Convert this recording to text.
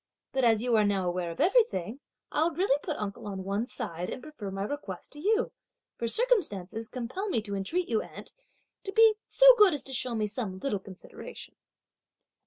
But as you are now aware of everything, I'll really put uncle on one side, and prefer my request to you; for circumstances compel me to entreat you, aunt, to be so good as to show me some little consideration!"